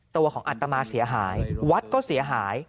ตัวของอัตมาเสียหายวัดก็เสียหาย